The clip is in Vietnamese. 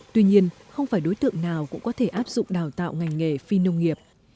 tuy nhiên không phải đối tượng nào cũng có thể áp dụng đào tạo ngành nghề phi nông nghiệp